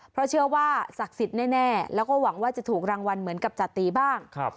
เพราะเชื่อว่าศักดิ์สิทธิ์แน่แล้วก็หวังว่าจะถูกรางวัลเหมือนกับจติบ้าง